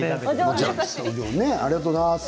ありがとうございます。